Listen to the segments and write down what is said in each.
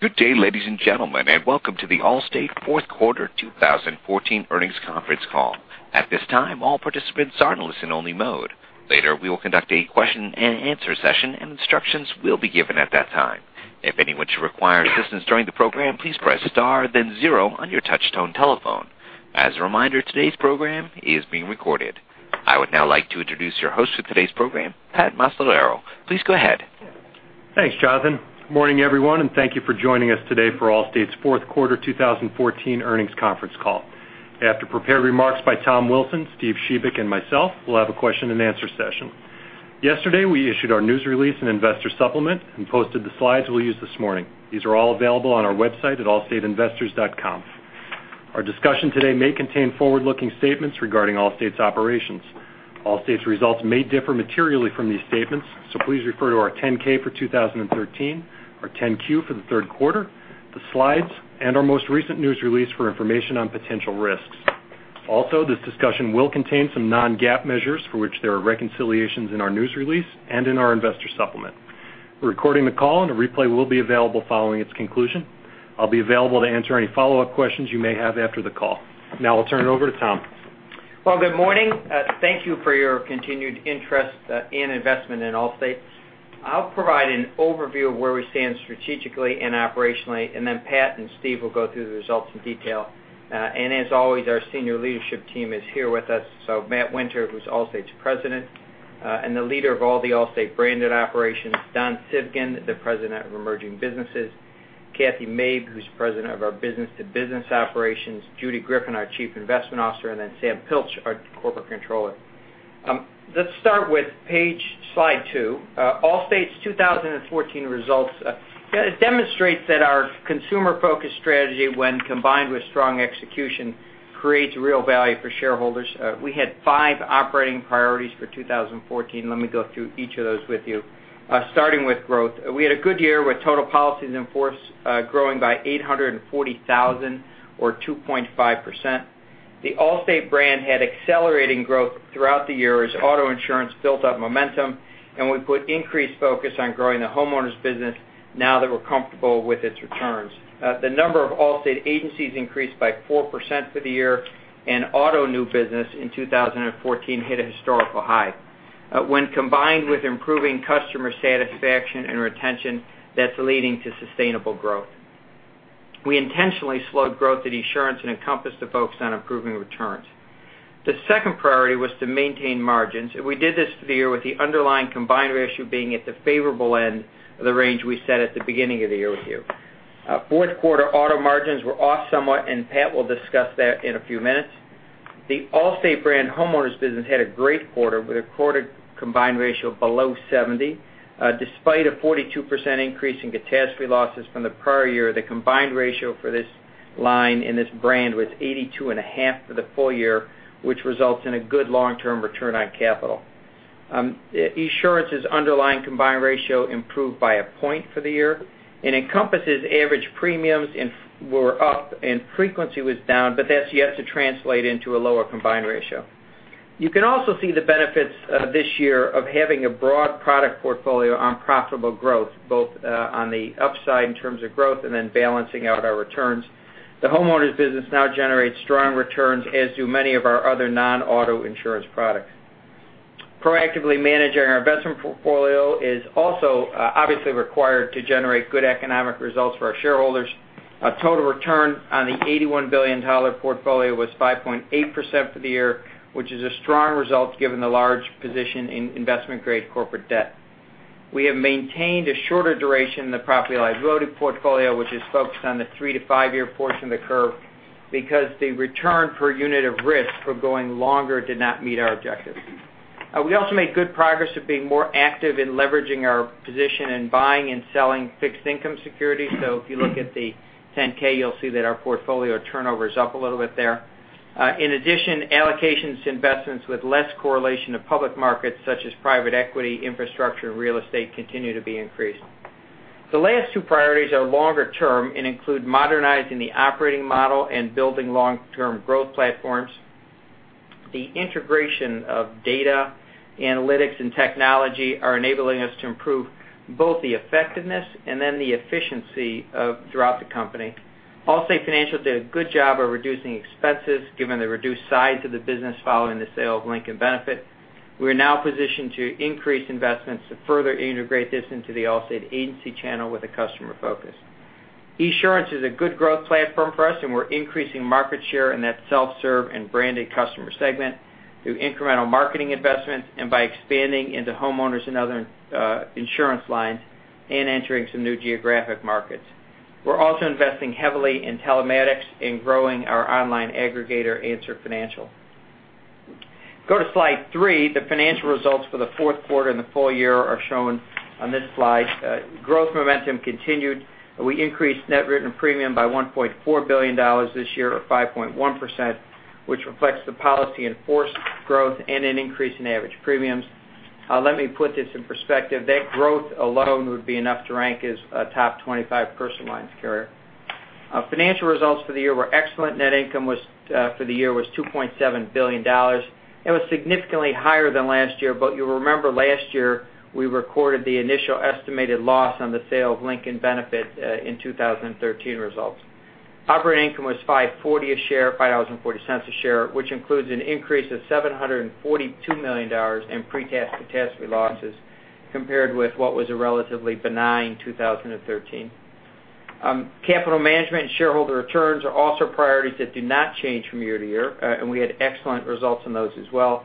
Good day, ladies and gentlemen, and welcome to the Allstate fourth quarter 2014 earnings conference call. At this time, all participants are in listen only mode. Later, we will conduct a question and answer session, and instructions will be given at that time. If anyone should require assistance during the program, please press star then zero on your touchtone telephone. As a reminder, today's program is being recorded. I would now like to introduce your host for today's program, Patrick Macellaro. Please go ahead. Thanks, Jonathan. Good morning, everyone, thank you for joining us today for Allstate's fourth quarter 2014 earnings conference call. After prepared remarks by Tom Wilson, Steve Shebik, and myself, we'll have a question and answer session. Yesterday, we issued our news release and investor supplement and posted the slides we'll use this morning. These are all available on our website at allstateinvestors.com. Our discussion today may contain forward-looking statements regarding Allstate's operations. Allstate's results may differ materially from these statements, so please refer to our 10-K for 2013, our 10-Q for the third quarter, the slides, and our most recent news release for information on potential risks. Also, this discussion will contain some non-GAAP measures for which there are reconciliations in our news release and in our investor supplement. We're recording the call and a replay will be available following its conclusion. I'll be available to answer any follow-up questions you may have after the call. Now, I'll turn it over to Tom. Good morning. Thank you for your continued interest and investment in Allstate. I'll provide an overview of where we stand strategically and operationally, then Pat and Steve will go through the results in detail. As always, our senior leadership team is here with us. Matt Winter, who's Allstate's President, and the leader of all the Allstate branded operations, Don Civgin, the President of Emerging Businesses, Kathy Mabe, who's President of our business-to-business operations, Judith Griffin, our Chief Investment Officer, Samuel Pilch, our Corporate Controller. Let's start with slide two. Allstate's 2014 results demonstrates that our consumer-focused strategy, when combined with strong execution, creates real value for shareholders. We had five operating priorities for 2014. Let me go through each of those with you, starting with growth. We had a good year with total policies in force growing by 840,000 or 2.5%. The Allstate brand had accelerating growth throughout the year as auto insurance built up momentum, and we put increased focus on growing the homeowners business now that we're comfortable with its returns. The number of Allstate agencies increased by 4% for the year, and auto new business in 2014 hit a historical high. When combined with improving customer satisfaction and retention, that's leading to sustainable growth. We intentionally slowed growth at Esurance and Encompass to focus on improving returns. The second priority was to maintain margins. We did this for the year with the underlying combined ratio being at the favorable end of the range we set at the beginning of the year with you. Fourth quarter auto margins were off somewhat, and Pat will discuss that in a few minutes. The Allstate brand homeowners business had a great quarter with a quarter combined ratio below 70. Despite a 42% increase in catastrophe losses from the prior year, the combined ratio for this line in this brand was 82.5 for the full year, which results in a good long-term return on capital. Esurance's underlying combined ratio improved by one point for the year, and Encompass' average premiums were up and frequency was down, but that's yet to translate into a lower combined ratio. You can also see the benefits this year of having a broad product portfolio on profitable growth, both on the upside in terms of growth and then balancing out our returns. The homeowners business now generates strong returns, as do many of our other non-auto insurance products. Proactively managing our investment portfolio is also obviously required to generate good economic results for our shareholders. Total return on the $81 billion portfolio was 5.8% for the year, which is a strong result given the large position in investment-grade corporate debt. We have maintained a shorter duration in the property liability portfolio, which is focused on the three to five-year portion of the curve, because the return per unit of risk for going longer did not meet our objectives. If you look at the 10-K, you'll see that our portfolio turnover is up a little bit there. In addition, allocations to investments with less correlation to public markets, such as private equity, infrastructure, and real estate, continue to be increased. The last two priorities are longer term and include modernizing the operating model and building long-term growth platforms. The integration of data, analytics, and technology are enabling us to improve both the effectiveness and then the efficiency throughout the company. Allstate Financial did a good job of reducing expenses, given the reduced size of the business following the sale of Lincoln Benefit. We are now positioned to increase investments to further integrate this into the Allstate agency channel with a customer focus. Esurance is a good growth platform for us, and we're increasing market share in that self-serve and branded customer segment through incremental marketing investments and by expanding into homeowners and other insurance lines and entering some new geographic markets. We're also investing heavily in telematics and growing our online aggregator, Answer Financial. Go to slide three. The financial results for the fourth quarter and the full year are shown on this slide. Growth momentum continued. We increased net written premium by $1.4 billion this year or 5.1%, which reflects the policy in force growth and an increase in average premiums. Let me put this in perspective. That growth alone would be enough to rank as a top 25 personal lines carrier. Our financial results for the year were excellent. Net income for the year was $2.7 billion. It was significantly higher than last year, but you'll remember last year we recorded the initial estimated loss on the sale of Lincoln Benefit in 2013 results. Operating income was $5.40 a share, which includes an increase of $742 million in pre-tax catastrophe losses compared with what was a relatively benign 2013. Capital management and shareholder returns are also priorities that do not change from year to year. We had excellent results on those as well.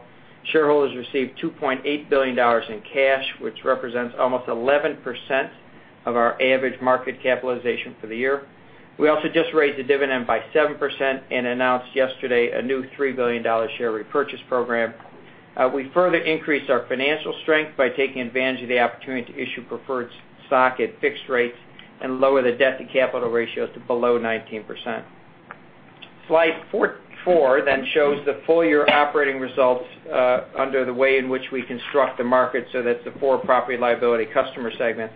Shareholders received $2.8 billion in cash, which represents almost 11% of our average market capitalization for the year. We also just raised the dividend by 7% and announced yesterday a new $3 billion share repurchase program. We further increased our financial strength by taking advantage of the opportunity to issue preferred stock at fixed rates and lower the debt to capital ratios to below 19%. Slide four shows the full year operating results under the way in which we construct the market so that the four property and liability customer segments,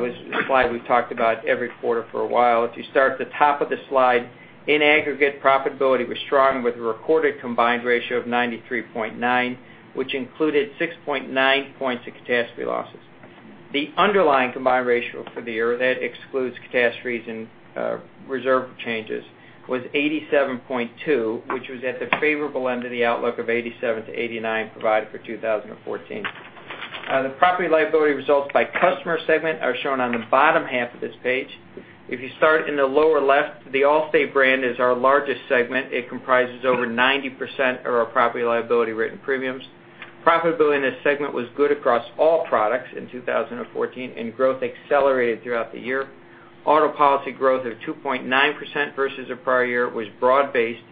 which is a slide we've talked about every quarter for a while. If you start at the top of the slide, in aggregate, profitability was strong with a recorded combined ratio of 93.9, which included 6.9 points of catastrophe losses. The underlying combined ratio for the year, that excludes catastrophes and reserve changes, was 87.2, which was at the favorable end of the outlook of 87-89 provided for 2014. The property liability results by customer segment are shown on the bottom half of this page. If you start in the lower left, the Allstate brand is our largest segment. It comprises over 90% of our property and liability written premiums. Profitability in this segment was good across all products in 2014. Growth accelerated throughout the year. Auto policy growth of 2.9% versus the prior year was broad-based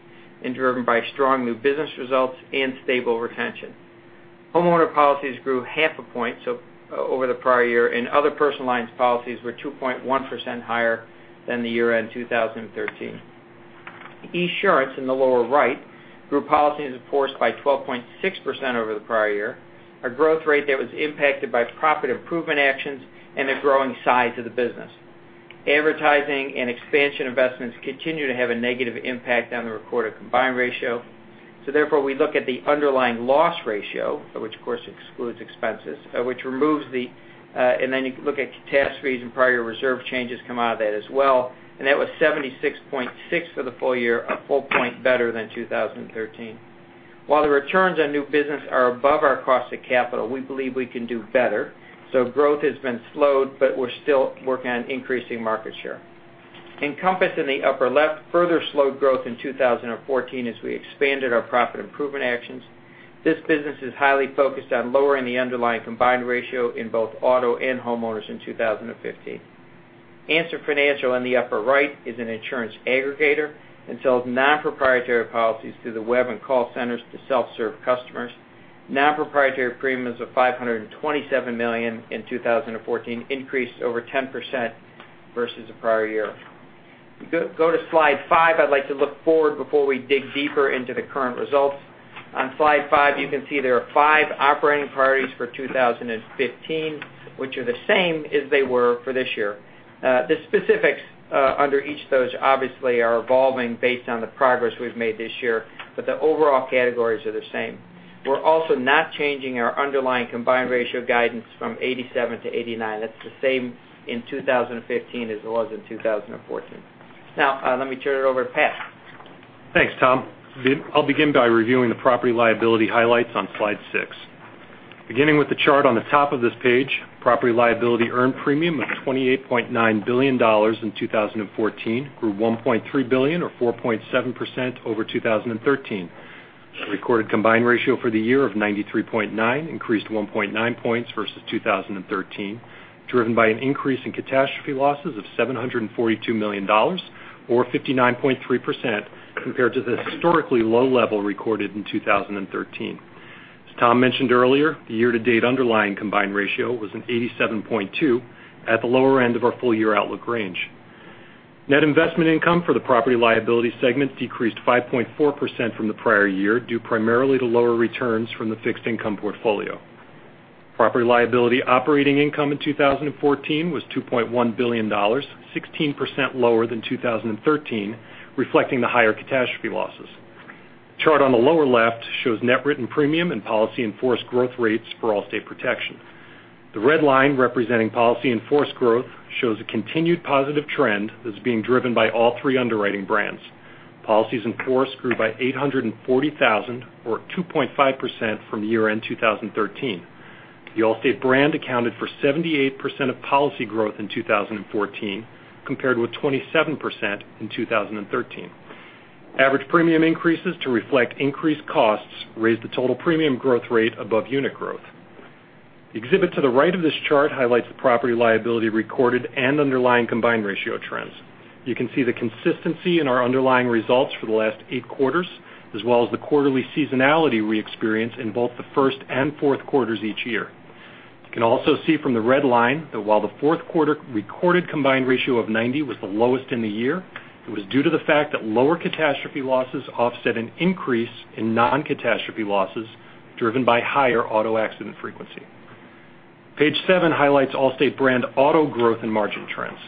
and driven by strong new business results and stable retention. Homeowner policies grew half a point over the prior year. Other personal lines policies were 2.1% higher than the year-end 2013. Esurance, in the lower right, grew policies in force by 12.6% over the prior year, a growth rate that was impacted by profit improvement actions and the growing size of the business. Advertising and expansion investments continue to have a negative impact on the recorded combined ratio. Therefore, we look at the underlying loss ratio, which of course excludes expenses, you can look at catastrophes and prior reserve changes come out of that as well, and that was 76.6 for the full year, a full point better than 2013. While the returns on new business are above our cost of capital, we believe we can do better. Growth has been slowed, but we're still working on increasing market share. Encompass in the upper left further slowed growth in 2014 as we expanded our profit improvement actions. This business is highly focused on lowering the underlying combined ratio in both auto and homeowners in 2015. Answer Financial in the upper right is an insurance aggregator and sells non-proprietary policies through the web and call centers to self-serve customers. Non-proprietary premiums of $527 million in 2014 increased over 10% versus the prior year. If you go to slide five, I'd like to look forward before we dig deeper into the current results. On slide five, you can see there are five operating priorities for 2015, which are the same as they were for this year. The specifics under each of those obviously are evolving based on the progress we've made this year, but the overall categories are the same. We're also not changing our underlying combined ratio guidance from 87%-89%. That's the same in 2015 as it was in 2014. Let me turn it over to Pat. Thanks, Tom. I'll begin by reviewing the property liability highlights on slide six. Beginning with the chart on the top of this page, property and liability earned premium of $28.9 billion in 2014 grew $1.3 billion or 4.7% over 2013. The recorded combined ratio for the year of 93.9 increased 1.9 points versus 2013, driven by an increase in catastrophe losses of $742 million or 59.3% compared to the historically low level recorded in 2013. As Tom mentioned earlier, the year-to-date underlying combined ratio was an 87.2 at the lower end of our full-year outlook range. Net investment income for the property and liability segment decreased 5.4% from the prior year, due primarily to lower returns from the fixed income portfolio. Property and liability operating income in 2014 was $2.1 billion, 16% lower than 2013, reflecting the higher catastrophe losses. The chart on the lower left shows net written premium and policy in force growth rates for Allstate Protection. The red line representing policy in force growth shows a continued positive trend that's being driven by all three underwriting brands. Policies in force grew by 840,000 or 2.5% from year-end 2013. The Allstate brand accounted for 78% of policy growth in 2014, compared with 27% in 2013. Average premium increases to reflect increased costs raised the total premium growth rate above unit growth. The exhibit to the right of this chart highlights the property and liability recorded and underlying combined ratio trends. You can see the consistency in our underlying results for the last eight quarters, as well as the quarterly seasonality we experience in both the first and fourth quarters each year. You can also see from the red line that while the fourth quarter recorded combined ratio of 90% was the lowest in the year, it was due to the fact that lower catastrophe losses offset an increase in non-catastrophe losses driven by higher auto accident frequency. Page seven highlights Allstate brand auto growth and margin trends.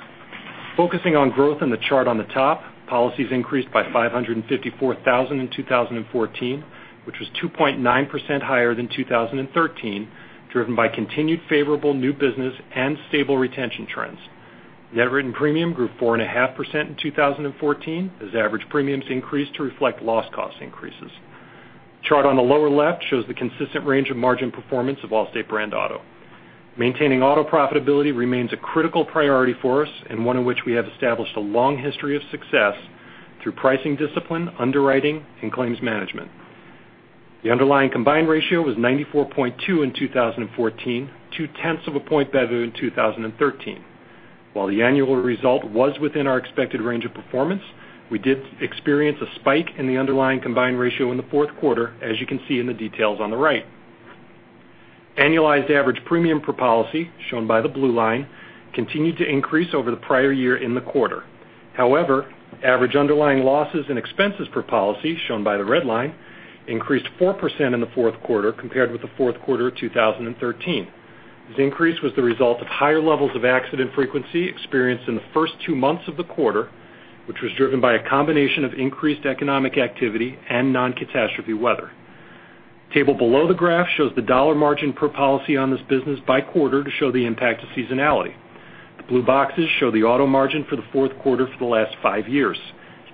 Focusing on growth in the chart on the top, policies increased by 554,000 in 2014, which was 2.9% higher than 2013, driven by continued favorable new business and stable retention trends. Net written premium grew 4.5% in 2014 as average premiums increased to reflect loss cost increases. The chart on the lower left shows the consistent range of margin performance of Allstate brand auto. Maintaining auto profitability remains a critical priority for us, and one in which we have established a long history of success through pricing discipline, underwriting, and claims management. The underlying combined ratio was 94.2% in 2014, two-tenths of a point better than 2013. While the annual result was within our expected range of performance, we did experience a spike in the underlying combined ratio in the fourth quarter, as you can see in the details on the right. Annualized average premium per policy, shown by the blue line, continued to increase over the prior year in the quarter. However, average underlying losses and expenses per policy, shown by the red line, increased 4% in the fourth quarter compared with the fourth quarter of 2013. This increase was the result of higher levels of accident frequency experienced in the first two months of the quarter, which was driven by a combination of increased economic activity and non-catastrophe weather. The table below the graph shows the $ margin per policy on this business by quarter to show the impact of seasonality. The blue boxes show the auto margin for the fourth quarter for the last five years.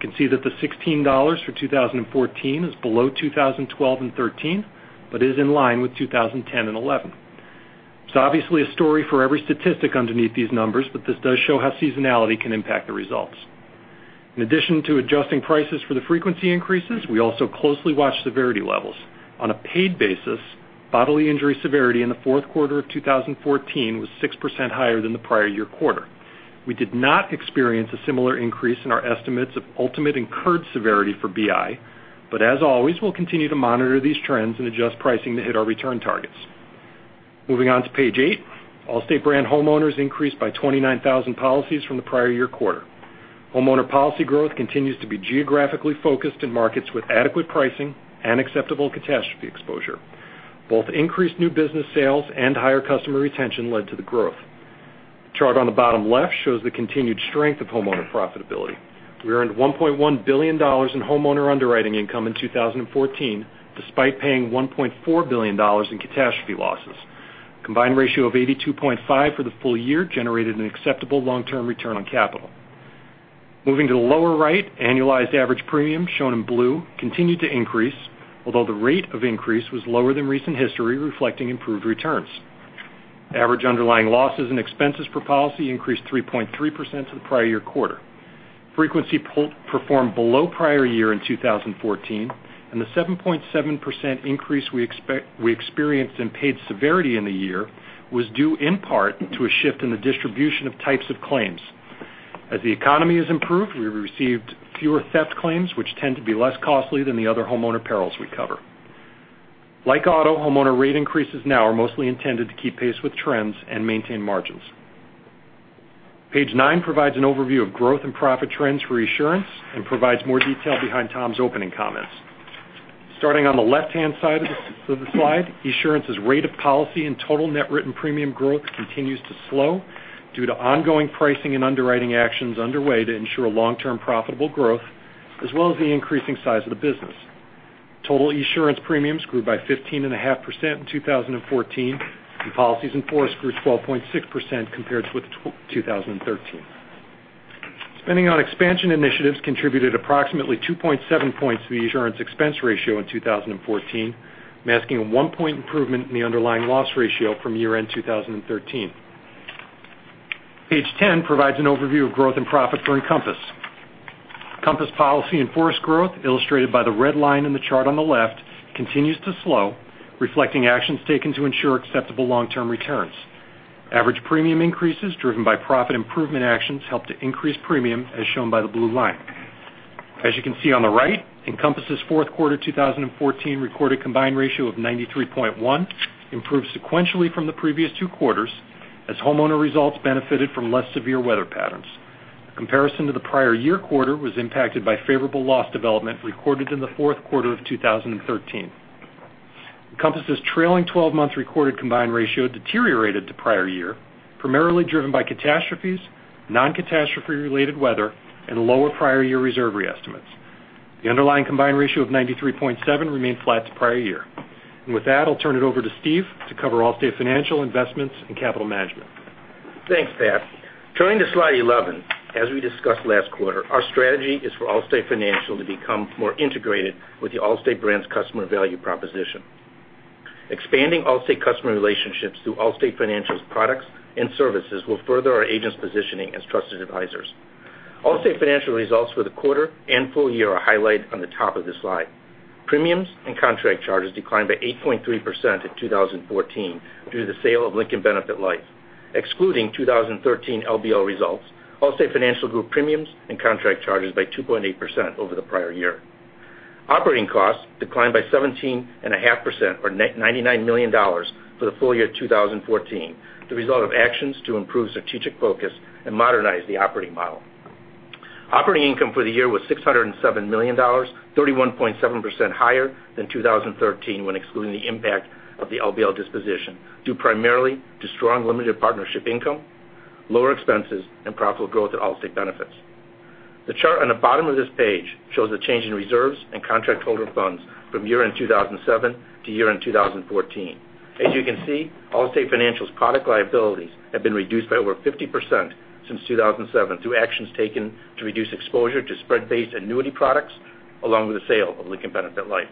You can see that the $16 for 2014 is below 2012 and 2013, but is in line with 2010 and 2011. There's obviously a story for every statistic underneath these numbers, but this does show how seasonality can impact the results. In addition to adjusting prices for the frequency increases, we also closely watch severity levels. On a paid basis, bodily injury severity in the fourth quarter of 2014 was 6% higher than the prior year quarter. We did not experience a similar increase in our estimates of ultimate incurred severity for BI, but as always, we'll continue to monitor these trends and adjust pricing to hit our return targets. Moving on to Page eight, Allstate brand homeowners increased by 29,000 policies from the prior year quarter. Homeowner policy growth continues to be geographically focused in markets with adequate pricing and acceptable catastrophe exposure. Both increased new business sales and higher customer retention led to the growth. The chart on the bottom left shows the continued strength of homeowner profitability. We earned $1.1 billion in homeowner underwriting income in 2014, despite paying $1.4 billion in catastrophe losses. A combined ratio of 82.5% for the full year generated an acceptable long-term return on capital. Moving to the lower right, annualized average premium, shown in blue, continued to increase, although the rate of increase was lower than recent history, reflecting improved returns. Average underlying losses and expenses per policy increased 3.3% to the prior year quarter. The 7.7% increase we experienced in paid severity in the year was due in part to a shift in the distribution of types of claims. As the economy has improved, we received fewer theft claims, which tend to be less costly than the other homeowner perils we cover. Like auto, homeowner rate increases now are mostly intended to keep pace with trends and maintain margins. Page nine provides an overview of growth and profit trends for Esurance and provides more detail behind Tom's opening comments. Starting on the left-hand side of the slide, Esurance's rate of policy and total net written premium growth continues to slow due to ongoing pricing and underwriting actions underway to ensure long-term profitable growth, as well as the increasing size of the business. Total Esurance premiums grew by 15.5% in 2014. Policies in force grew 12.6% compared with 2013. Spending on expansion initiatives contributed approximately 2.7 points to the Esurance expense ratio in 2014, masking a one-point improvement in the underlying loss ratio from year-end 2013. Page 10 provides an overview of growth and profit for Encompass. Encompass policy in force growth, illustrated by the red line in the chart on the left, continues to slow, reflecting actions taken to ensure acceptable long-term returns. Average premium increases driven by profit improvement actions helped to increase premium, as shown by the blue line. As you can see on the right, Encompass's fourth quarter 2014 recorded a combined ratio of 93.1, improved sequentially from the previous two quarters, as homeowner results benefited from less severe weather patterns. A comparison to the prior year quarter was impacted by favorable loss development recorded in the fourth quarter of 2013. Encompass's trailing 12-month recorded combined ratio deteriorated to prior year, primarily driven by catastrophes, non-catastrophe-related weather, and lower prior year reserve re-estimates. The underlying combined ratio of 93.7 remained flat to prior year. With that, I'll turn it over to Steve to cover Allstate Financial, Investments, and Capital Management. Thanks, Pat. Turning to slide 11, as we discussed last quarter, our strategy is for Allstate Financial to become more integrated with the Allstate brand's customer value proposition. Expanding Allstate customer relationships through Allstate Financial's products and services will further our agents' positioning as Trusted Advisors. Allstate Financial results for the quarter and full year are highlighted on the top of this slide. Premiums and contract charges declined by 8.3% in 2014 due to the sale of Lincoln Benefit Life. Excluding 2013 LBL results, Allstate Financial grew premiums and contract charges by 2.8% over the prior year. Operating costs declined by 17.5%, or $99 million, for the full year 2014, the result of actions to improve strategic focus and modernize the operating model. Operating income for the year was $607 million, 31.7% higher than 2013 when excluding the impact of the LBL disposition, due primarily to strong limited partnership income, lower expenses, and profitable growth at Allstate Benefits. The chart on the bottom of this page shows the change in reserves and contract holder funds from year-end 2007 to year-end 2014. As you can see, Allstate Financial's product liabilities have been reduced by over 50% since 2007 through actions taken to reduce exposure to spread-based annuity products, along with the sale of Lincoln Benefit Life.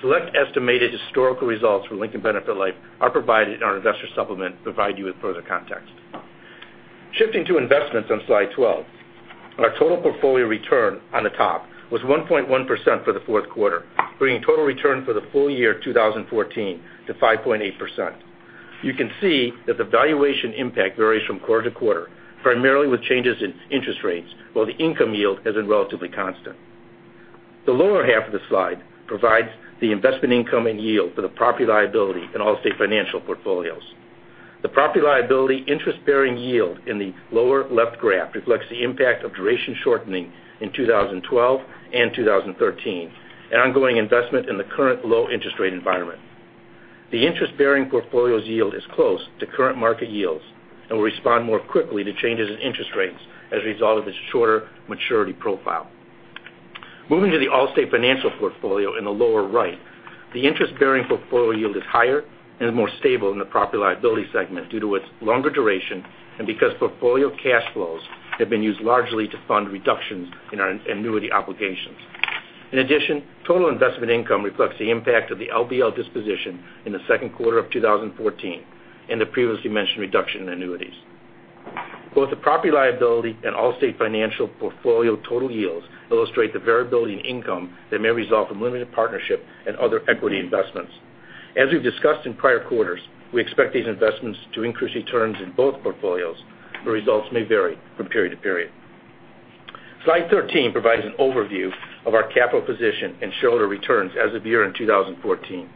Select estimated historical results from Lincoln Benefit Life are provided in our investor supplement to provide you with further context. Shifting to investments on slide 12. Our total portfolio return on the top was 1.1% for the fourth quarter, bringing total return for the full year 2014 to 5.8%. You can see that the valuation impact varies from quarter to quarter, primarily with changes in interest rates while the income yield has been relatively constant. The lower half of the slide provides the investment income and yield for the property liability in Allstate Financial portfolios. The property liability interest-bearing yield in the lower left graph reflects the impact of duration shortening in 2012 and 2013, an ongoing investment in the current low interest rate environment. The interest-bearing portfolio's yield is close to current market yields and will respond more quickly to changes in interest rates as a result of its shorter maturity profile. Moving to the Allstate Financial portfolio in the lower right, the interest-bearing portfolio yield is higher and is more stable than the property liability segment due to its longer duration and because portfolio cash flows have been used largely to fund reductions in our annuity obligations. In addition, total investment income reflects the impact of the LBL disposition in the second quarter of 2014 and the previously mentioned reduction in annuities. Both the property liability and Allstate Financial portfolio total yields illustrate the variability in income that may result from limited partnership and other equity investments. As we've discussed in prior quarters, we expect these investments to increase returns in both portfolios, but results may vary from period to period. Slide 13 provides an overview of our capital position and shareholder returns as of year-end 2014.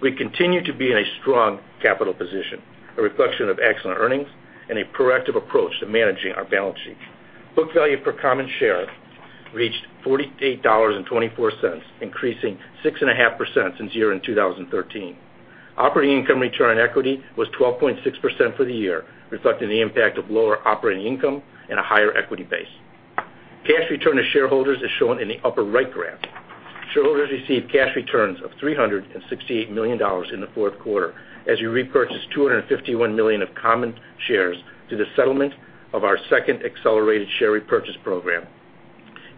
We continue to be in a strong capital position, a reflection of excellent earnings and a proactive approach to managing our balance sheet. Book value per common share reached $48.24, increasing 6.5% since year-end 2013. Operating income return on equity was 12.6% for the year, reflecting the impact of lower operating income and a higher equity base. Cash return to shareholders is shown in the upper right graph. Shareholders received cash returns of $368 million in the fourth quarter as we repurchased 251 million of common shares through the settlement of our second accelerated share repurchase program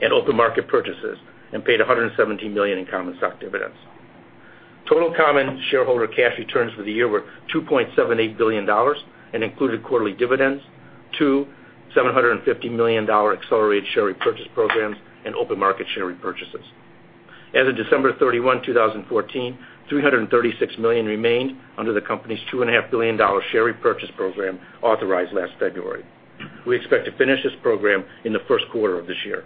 and open market purchases and paid $117 million in common stock dividends. Total common shareholder cash returns for the year were $2.78 billion and included quarterly dividends, two $750 million accelerated share repurchase programs, and open market share repurchases. As of December 31, 2014, $336 million remained under the company's $2.5 billion share repurchase program authorized last February. We expect to finish this program in the first quarter of this year.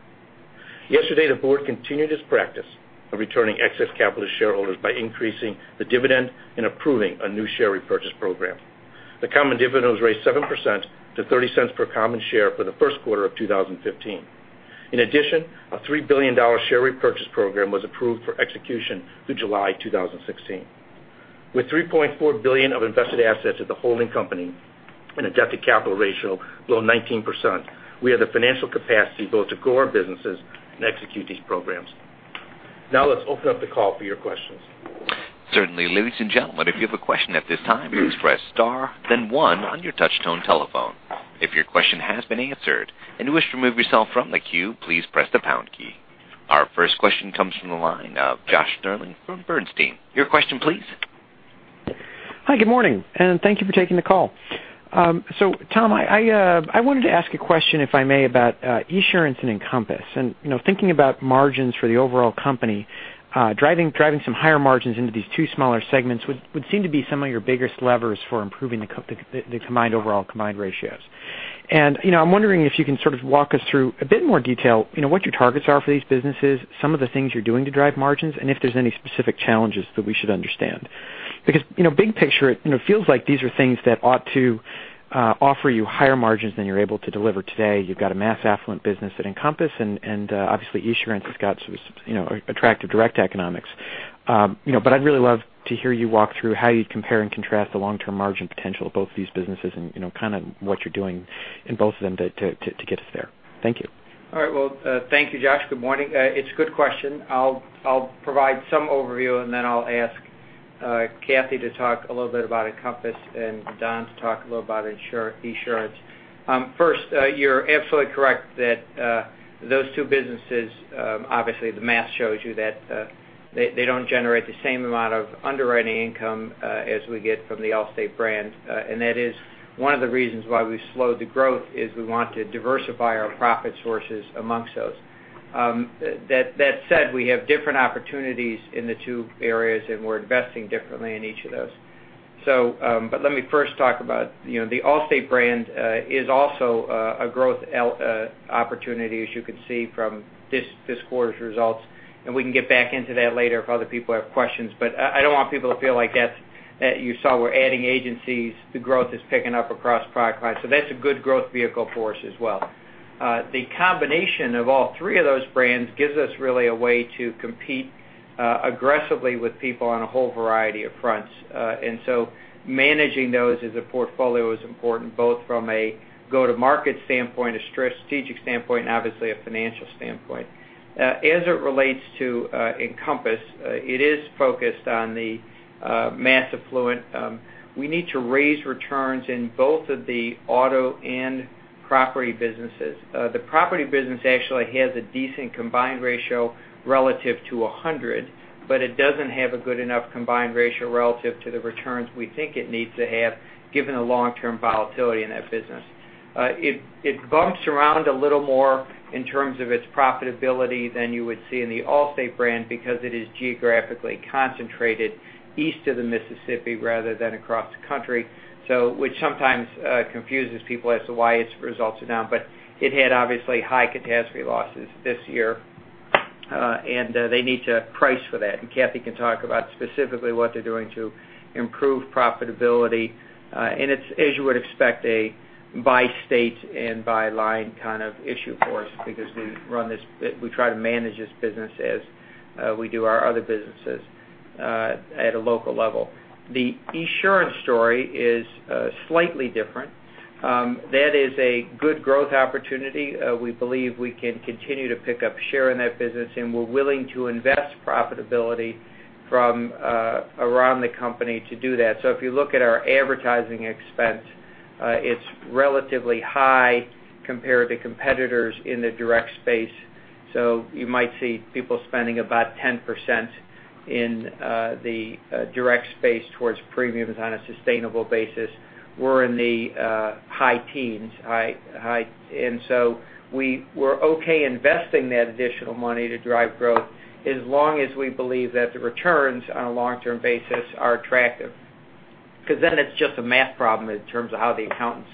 Yesterday, the board continued its practice of returning excess capital to shareholders by increasing the dividend and approving a new share repurchase program. The common dividend was raised 7% to $0.30 per common share for the first quarter of 2015. In addition, a $3 billion share repurchase program was approved for execution through July 2016. With $3.4 billion of invested assets at the holding company and adjusted capital ratio below 19%, we have the financial capacity both to grow our businesses and execute these programs. Now let's open up the call for your questions. Certainly. Ladies and gentlemen, if you have a question at this time, please press star then one on your touchtone telephone. If your question has been answered and you wish to remove yourself from the queue, please press the pound key. Our first question comes from the line of Josh Shanker from Bernstein. Your question please. Hi, good morning, and thank you for taking the call. Tom, I wanted to ask a question, if I may, about Esurance and Encompass. Thinking about margins for the overall company, driving some higher margins into these two smaller segments would seem to be some of your biggest levers for improving the overall combined ratios. I'm wondering if you can sort of walk us through a bit more detail, what your targets are for these businesses, some of the things you're doing to drive margins, and if there's any specific challenges that we should understand. Big picture, it feels like these are things that ought to offer you higher margins than you're able to deliver today. You've got a mass affluent business at Encompass, and obviously Esurance has got some attractive direct economics. I'd really love to hear you walk through how you'd compare and contrast the long-term margin potential of both of these businesses and kind of what you're doing in both of them to get us there. Thank you. All right. Well, thank you, Josh. Good morning. It's a good question. I'll provide some overview, then I'll ask Kathy to talk a little bit about Encompass and Don to talk a little about Esurance. First, you're absolutely correct that those two businesses, obviously the math shows you that they don't generate the same amount of underwriting income as we get from the Allstate brand. That is one of the reasons why we've slowed the growth is we want to diversify our profit sources amongst those. That said, we have different opportunities in the two areas, and we're investing differently in each of those. Let me first talk about the Allstate brand is also a growth opportunity, as you can see from this quarter's results, and we can get back into that later if other people have questions. I don't want people to feel like that you saw we're adding agencies, the growth is picking up across product lines. That's a good growth vehicle for us as well. The combination of all three of those brands gives us really a way to compete aggressively with people on a whole variety of fronts. Managing those as a portfolio is important, both from a go-to-market standpoint, a strategic standpoint, and obviously, a financial standpoint. As it relates to Encompass, it is focused on the mass affluent. We need to raise returns in both of the auto and property businesses. The property business actually has a decent combined ratio relative to 100, but it doesn't have a good enough combined ratio relative to the returns we think it needs to have, given the long-term volatility in that business. It bumps around a little more in terms of its profitability than you would see in the Allstate brand because it is geographically concentrated east of the Mississippi rather than across the country, which sometimes confuses people as to why its results are down. It had obviously high catastrophe losses this year, and they need to price for that. Kathy can talk about specifically what they're doing to improve profitability. It's, as you would expect, a by state and by line kind of issue for us because we try to manage this business as we do our other businesses, at a local level. The Esurance story is slightly different. That is a good growth opportunity. We believe we can continue to pick up share in that business, and we're willing to invest profitability from around the company to do that. If you look at our advertising expense, it's relatively high compared to competitors in the direct space. You might see people spending about 10% in the direct space towards premiums on a sustainable basis. We're in the high teens. We're okay investing that additional money to drive growth as long as we believe that the returns on a long-term basis are attractive. It's just a math problem in terms of how the accountants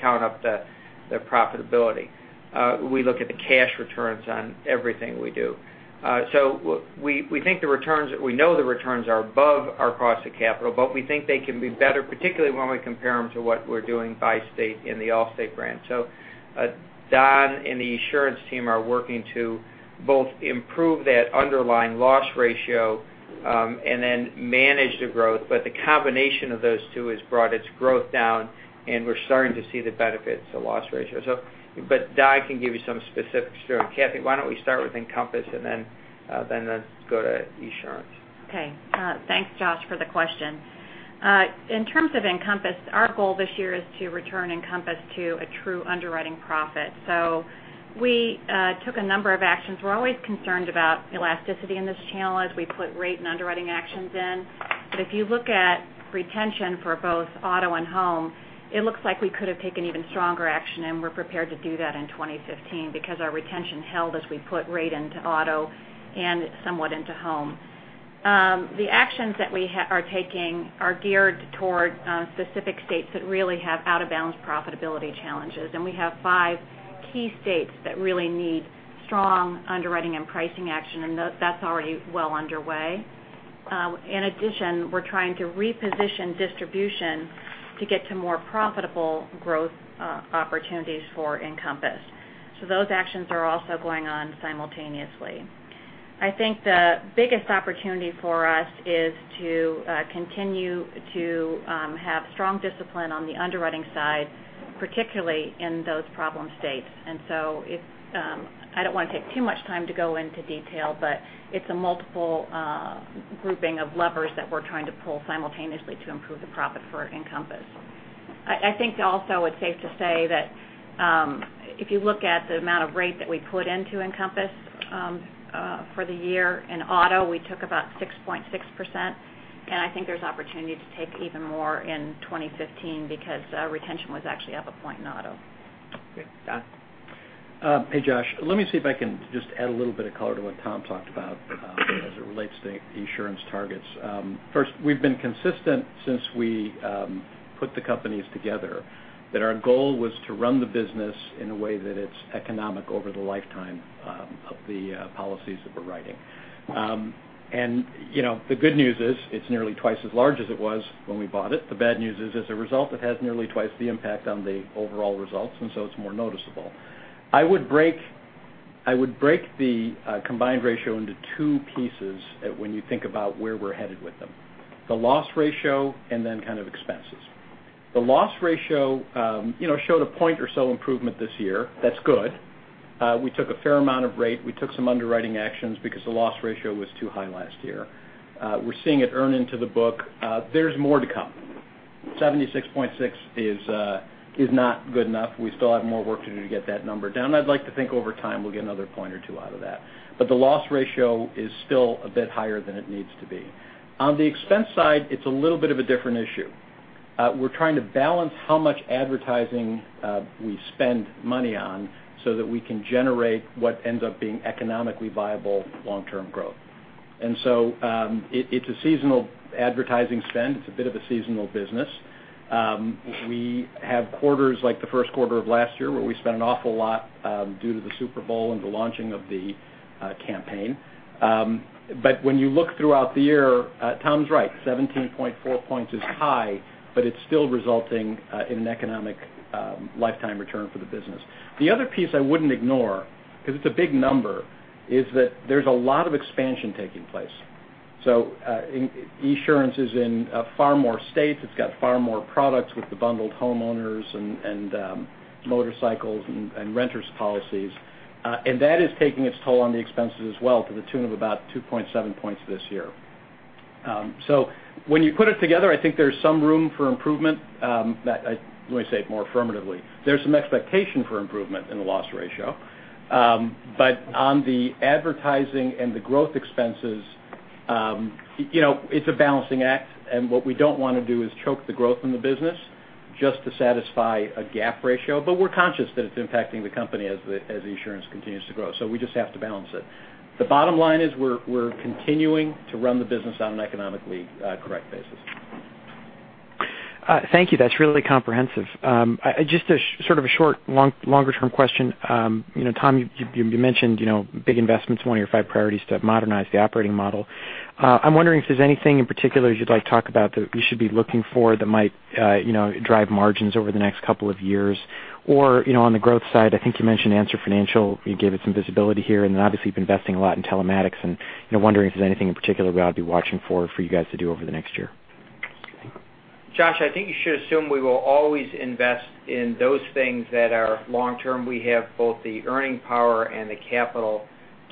count up the profitability. We look at the cash returns on everything we do. We know the returns are above our cost of capital, but we think they can be better, particularly when we compare them to what we're doing by state in the Allstate brand. Don and the Esurance team are working to both improve that underlying loss ratio, manage the growth. The combination of those two has brought its growth down, and we're starting to see the benefits of loss ratio. Don can give you some specifics there. Kathy, why don't we start with Encompass, let's go to Esurance. Okay. Thanks, Josh, for the question. In terms of Encompass, our goal this year is to return Encompass to a true underwriting profit. We took a number of actions. We're always concerned about elasticity in this channel as we put rate and underwriting actions in. If you look at retention for both auto and home, it looks like we could have taken even stronger action, and we're prepared to do that in 2015 because our retention held as we put rate into auto and somewhat into home. The actions that we are taking are geared toward specific states that really have out-of-balance profitability challenges. We have five key states that really need strong underwriting and pricing action, and that's already well underway. In addition, we're trying to reposition distribution to get to more profitable growth opportunities for Encompass. Those actions are also going on simultaneously. I think the biggest opportunity for us is to continue to have strong discipline on the underwriting side, particularly in those problem states. I don't want to take too much time to go into detail, but it's a multiple grouping of levers that we're trying to pull simultaneously to improve the profit for Encompass. I think also it's safe to say that if you look at the amount of rate that we put into Encompass for the year, in auto, we took about 6.6%, and I think there's opportunity to take even more in 2015 because retention was actually up a point in auto. Great. Don? Hey, Josh. Let me see if I can just add a little bit of color to what Tom talked about as it relates to Esurance targets. First, we've been consistent since we put the companies together that our goal was to run the business in a way that it's economic over the lifetime of the policies that we're writing. The good news is it's nearly twice as large as it was when we bought it. The bad news is, as a result, it has nearly twice the impact on the overall results, so it's more noticeable. I would break the combined ratio into two pieces when you think about where we're headed with them, the loss ratio and then kind of expenses. The loss ratio showed a point or so improvement this year. That's good. We took a fair amount of rate. We took some underwriting actions because the loss ratio was too high last year. We're seeing it earn into the book. There's more to come. 76.6 is not good enough. We still have more work to do to get that number down. I'd like to think over time, we'll get another point or two out of that. The loss ratio is still a bit higher than it needs to be. On the expense side, it's a little bit of a different issue. We're trying to balance how much advertising we spend money on so that we can generate what ends up being economically viable long-term growth. It's a seasonal advertising spend. It's a bit of a seasonal business. We have quarters like the first quarter of last year, where we spent an awful lot due to the Super Bowl and the launching of the campaign. When you look throughout the year, Tom's right, 17.4 points is high, but it's still resulting in an economic lifetime return for the business. The other piece I wouldn't ignore, because it's a big number, is that there's a lot of expansion taking place. Esurance is in far more states. It's got far more products with the bundled homeowners and motorcycles and renters policies. That is taking its toll on the expenses as well to the tune of about 2.7 points this year. When you put it together, I think there's some room for improvement. Let me say it more affirmatively. There's some expectation for improvement in the loss ratio. On the advertising and the growth expenses, it's a balancing act. What we don't want to do is choke the growth in the business just to satisfy a GAAP ratio. We're conscious that it's impacting the company as Esurance continues to grow. We just have to balance it. The bottom line is we're continuing to run the business on an economically correct basis. Thank you. That's really comprehensive. Just a sort of a short, longer term question. Tom, you mentioned big investment is one of your five priorities to modernize the operating model. I'm wondering if there's anything in particular you'd like to talk about that we should be looking for that might drive margins over the next couple of years or on the growth side, I think you mentioned Answer Financial, you gave it some visibility here, and then obviously you've been investing a lot in telematics, and I'm wondering if there's anything in particular we ought to be watching for you guys to do over the next year. Josh, I think you should assume we will always invest in those things that are long-term. We have both the earning power and the capital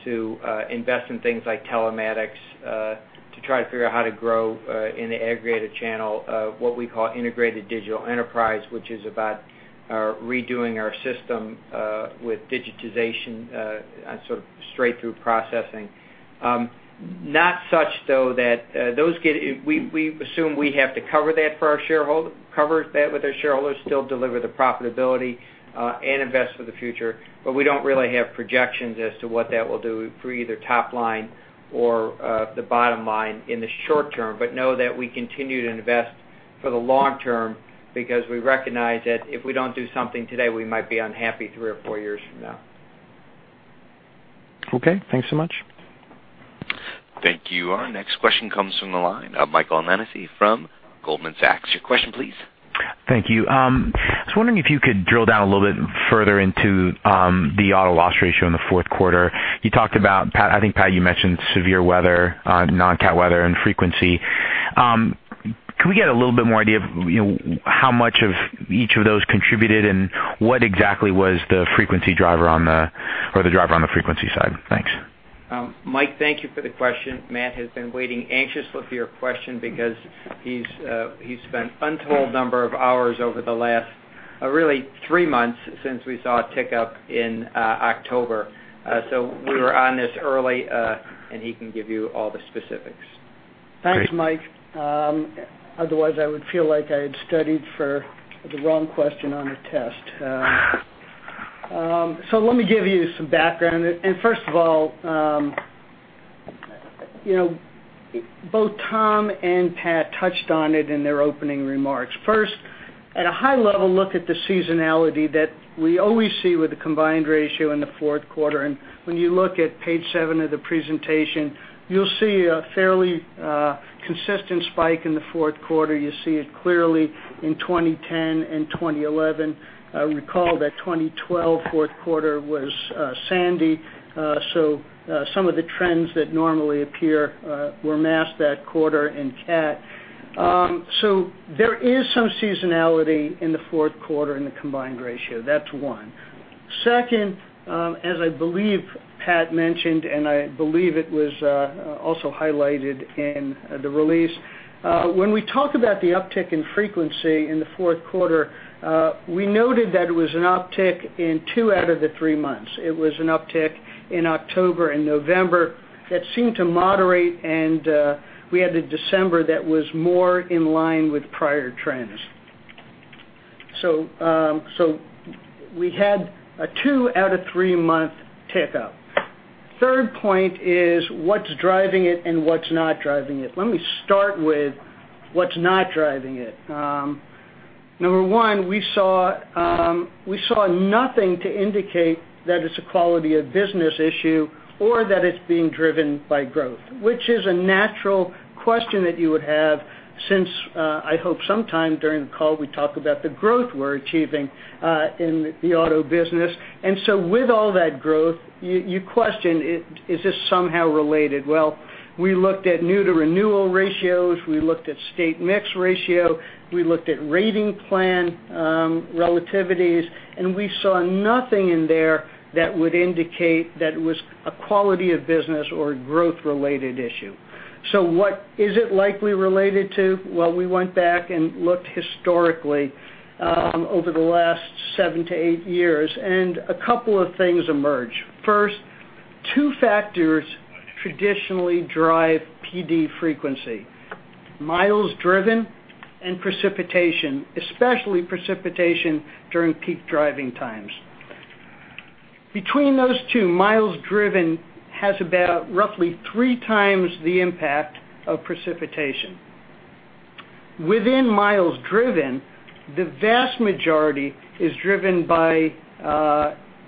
to invest in things like telematics to try to figure out how to grow in the aggregated channel, what we call integrated digital enterprise, which is about redoing our system with digitization, sort of straight-through processing. We assume we have to cover that with our shareholders, still deliver the profitability, and invest for the future. We don't really have projections as to what that will do for either top line or the bottom line in the short term. Know that we continue to invest for the long term because we recognize that if we don't do something today, we might be unhappy three or four years from now. Okay, thanks so much. Thank you. Our next question comes from the line of Michael Nannizzi from Goldman Sachs. Your question, please. Thank you. I was wondering if you could drill down a little bit further into the auto loss ratio in the fourth quarter. You talked about, Pat, I think, Pat, you mentioned severe weather, non-cat weather, and frequency. Can we get a little bit more idea of how much of each of those contributed and what exactly was the driver on the frequency side? Thanks. Mike, thank you for the question. Matt has been waiting anxiously for your question because he's spent untold number of hours over the last really three months since we saw a tick-up in October. We were on this early, and he can give you all the specifics. Thanks, Mike. Otherwise, I would feel like I had studied for the wrong question on the test. Let me give you some background. First of all, both Tom and Pat touched on it in their opening remarks. First, at a high level, look at the seasonality that we always see with the combined ratio in the fourth quarter. When you look at page seven of the presentation, you'll see a fairly consistent spike in the fourth quarter. You see it clearly in 2010 and 2011. Recall that 2012 fourth quarter was Sandy. Some of the trends that normally appear were masked that quarter in cat. There is some seasonality in the fourth quarter in the combined ratio. That's one. Second, as I believe Pat mentioned, and I believe it was also highlighted in the release, when we talk about the uptick in frequency in the fourth quarter, we noted that it was an uptick in two out of the three months. It was an uptick in October and November that seemed to moderate, and we had a December that was more in line with prior trends. We had a two out of three month tick-up. Third point is what's driving it and what's not driving it. Let me start with what's not driving it. Number one, we saw nothing to indicate that it's a quality of business issue or that it's being driven by growth, which is a natural question that you would have since, I hope sometime during the call we talk about the growth we're achieving in the auto business. With all that growth, you question, is this somehow related? Well, we looked at new to renewal ratios, we looked at state mix ratio, we looked at rating plan relativities, and we saw nothing in there that would indicate that it was a quality of business or growth related issue. What is it likely related to? Well, we went back and looked historically over the last seven to eight years, and a couple of things emerged. First, two factors traditionally drive PD frequency, miles driven and precipitation, especially precipitation during peak driving times. Between those two, miles driven has about roughly three times the impact of precipitation. Within miles driven, the vast majority is driven by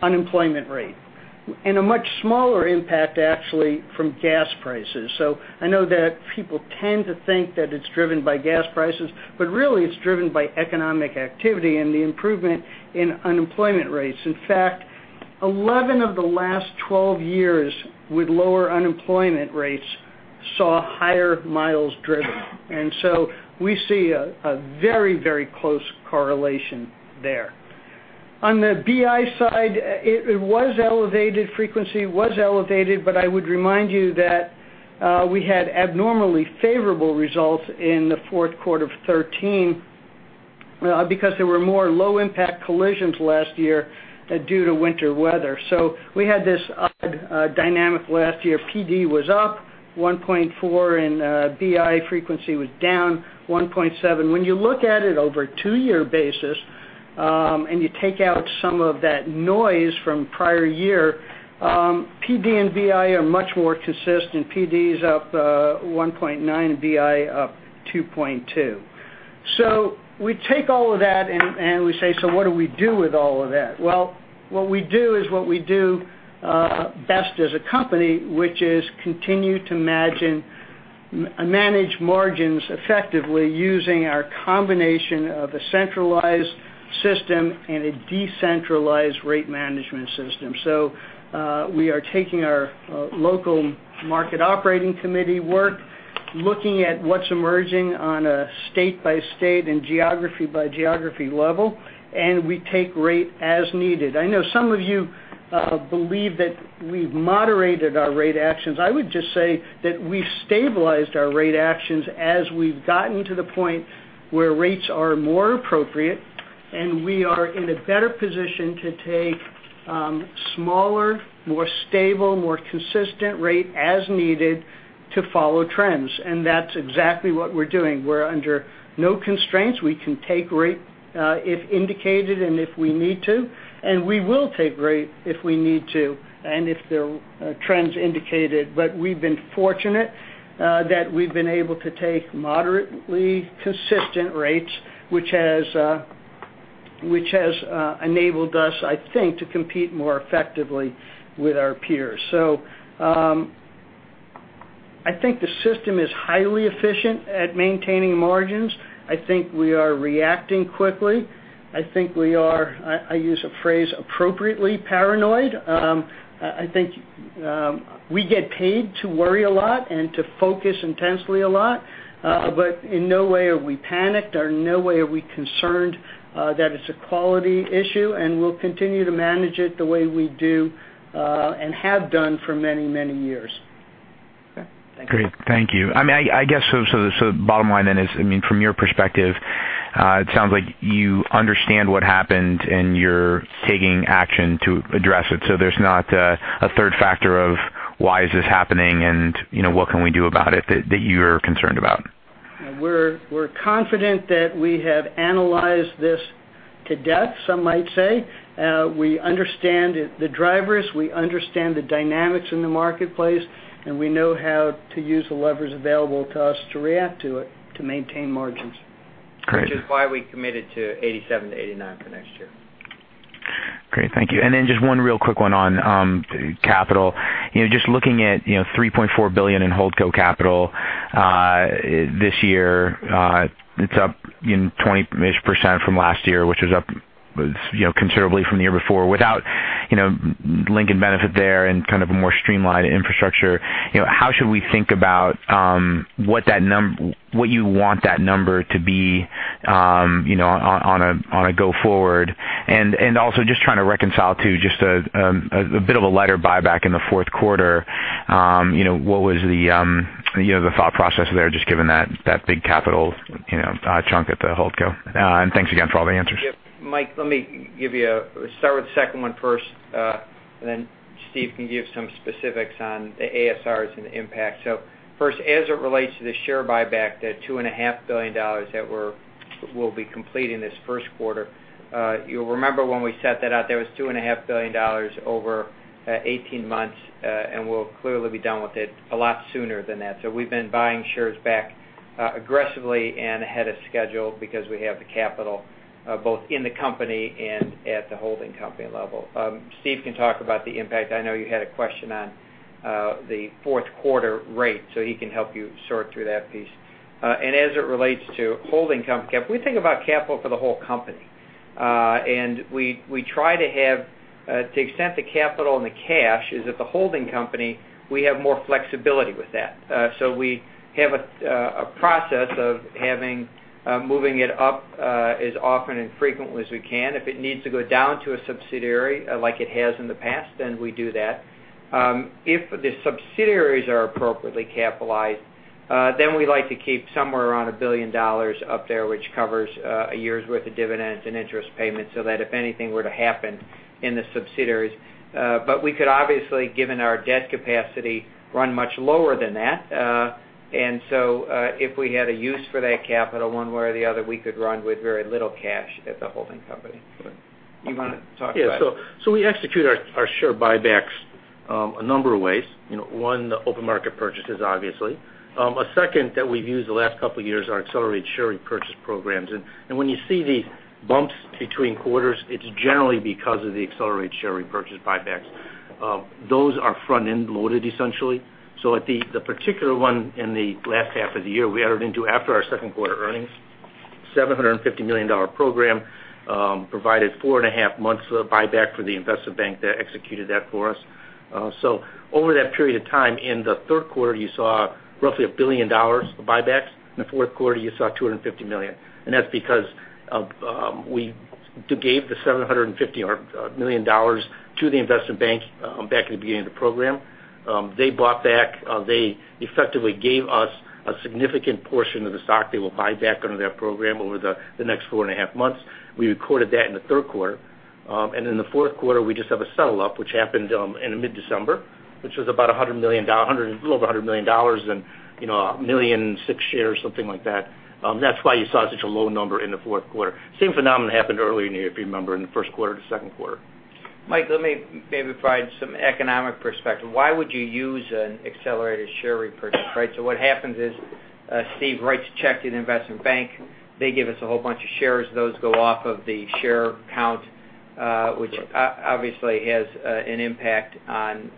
unemployment rate and a much smaller impact, actually, from gas prices. I know that people tend to think that it's driven by gas prices, but really it's driven by economic activity and the improvement in unemployment rates. In fact, 11 of the last 12 years with lower unemployment rates saw higher miles driven. We see a very close correlation there. On the BI side, frequency was elevated, but I would remind you that we had abnormally favorable results in the fourth quarter of 2013 because there were more low impact collisions last year due to winter weather. We had this odd dynamic last year. PD was up 1.4% and BI frequency was down 1.7%. When you look at it over a two-year basis, and you take out some of that noise from prior year, PD and BI are much more consistent. PD is up 1.9% and BI up 2.2%. We take all of that and we say, "What do we do with all of that?" Well, what we do is what we do best as a company, which is continue to manage margins effectively using our combination of a centralized system and a decentralized rate management system. We are taking our local market operating committee work, looking at what's emerging on a state-by-state and geography-by-geography level, and we take rate as needed. I know some of you believe that we've moderated our rate actions. I would just say that we've stabilized our rate actions as we've gotten to the point where rates are more appropriate and we are in a better position to take smaller, more stable, more consistent rate as needed to follow trends. That's exactly what we're doing. We're under no constraints. We can take rate if indicated and if we need to. We will take rate if we need to and if the trends indicate it. We've been fortunate that we've been able to take moderately consistent rates, which has enabled us, I think, to compete more effectively with our peers. I think the system is highly efficient at maintaining margins. I think we are reacting quickly. I think we are, I use the phrase, appropriately paranoid. I think we get paid to worry a lot and to focus intensely a lot. In no way are we panicked or in no way are we concerned that it's a quality issue, and we'll continue to manage it the way we do, and have done for many years. Okay. Thank you. Great. Thank you. I guess, bottom line then is, from your perspective, it sounds like you understand what happened and you're taking action to address it. There's not a third factor of why is this happening and what can we do about it that you're concerned about? We're confident that we have analyzed this to death, some might say. We understand the drivers, we understand the dynamics in the marketplace, and we know how to use the levers available to us to react to it to maintain margins. Great. Which is why we committed to 87%-89% for next year. Great. Thank you. Then just one real quick one on capital. Just looking at $3.4 billion in Holdco capital, this year it's up 20%-ish from last year, which was up considerably from the year before without Lincoln Benefit there and kind of a more streamlined infrastructure. How should we think about what you want that number to be on a go forward? Also just trying to reconcile too just a bit of a lighter buyback in the fourth quarter. What was the thought process there, just given that big capital chunk at the Holdco? Thanks again for all the answers. Mike, let me start with the second one first. Then Steve can give some specifics on the ASRs and the impact. First, as it relates to the share buyback, the $2.5 billion that we'll be completing this first quarter, you'll remember when we set that out there, it was $2.5 billion over 18 months. We'll clearly be done with it a lot sooner than that. We've been buying shares back aggressively and ahead of schedule because we have the capital both in the company and at the holding company level. Steve can talk about the impact. I know you had a question on the fourth quarter rate, so he can help you sort through that piece. As it relates to holding company capital, we think about capital for the whole company. We try to have, to the extent the capital and the cash is at the holding company, we have more flexibility with that. We have a process of moving it up as often and frequently as we can. If it needs to go down to a subsidiary, like it has in the past, we do that. If the subsidiaries are appropriately capitalized, we like to keep somewhere around $1 billion up there, which covers a year's worth of dividends and interest payments so that if anything were to happen in the subsidiaries. We could obviously, given our debt capacity, run much lower than that. If we had a use for that capital one way or the other, we could run with very little cash at the holding company. Do you want to talk about it? Yeah. We execute our share buybacks a number of ways. One, the open market purchases, obviously. A second that we've used the last couple of years are accelerated share repurchase programs. When you see these bumps between quarters, it's generally because of the accelerated share repurchase buybacks. Those are front-end loaded, essentially. The particular one in the last half of the year, we entered into after our second quarter earnings, a $750 million program, provided four and a half months of buyback for the investment bank that executed that for us. Over that period of time, in the third quarter, you saw roughly $1 billion of buybacks. In the fourth quarter, you saw $250 million. That's because we gave the $750 million to the investment bank back in the beginning of the program. They bought back. They effectively gave us a significant portion of the stock they will buy back under that program over the next four and a half months. We recorded that in the third quarter. In the fourth quarter, we just have a settle up, which happened in mid-December, which was about a little over $100 million, and 1 million, six shares, something like that. That's why you saw such a low number in the fourth quarter. Same phenomenon happened earlier in the year, if you remember, in the first quarter to second quarter. Mike, let me maybe provide some economic perspective. Why would you use an accelerated share repurchase, right? What happens is Steve writes a check to the investment bank. They give us a whole bunch of shares. Those go off of the share count, which obviously has an impact on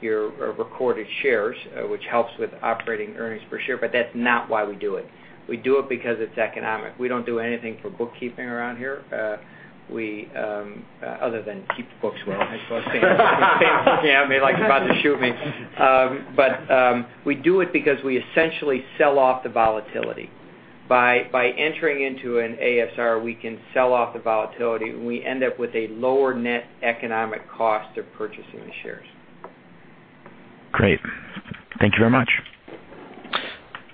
your recorded shares, which helps with operating earnings per share. That's not why we do it. We do it because it's economic. We don't do anything for bookkeeping around here. Other than keep the books well, I suppose. Steve's looking at me like he's about to shoot me. We do it because we essentially sell off the volatility. By entering into an ASR, we can sell off the volatility, and we end up with a lower net economic cost of purchasing the shares. Great. Thank you very much.